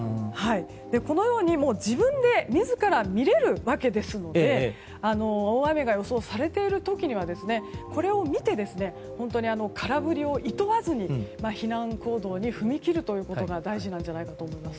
このように自分で自ら見れるわけですので大雨が予想されている時にはこれを見て、空振りをいとわずに避難行動に踏み切るということが大事だと思います。